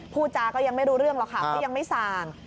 พูดจาก็ยังไม่รู้เรื่องหรอกค่ะเพราะยังไม่ส่าง